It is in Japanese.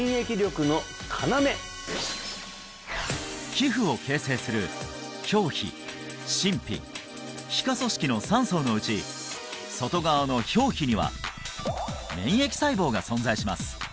皮膚を形成する表皮真皮皮下組織の３層のうち外側の表皮には免疫細胞が存在します